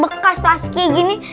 bekas plastiknya gini